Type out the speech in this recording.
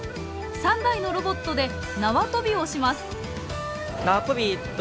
３台のロボットで縄跳びをします。